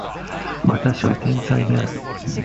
私は天才である